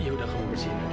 yaudah kamu bersihin nanti